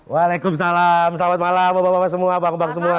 waalaikumsalam selamat malam bapak bapak semua bang semua